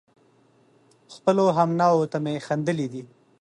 خپلو همنوعو ته مې خندلي دي